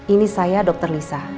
ini saya dokter lisa